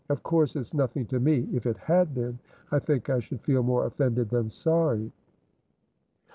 Of course it's nothing to me. If it had been, I think I should feel more offended than sorry."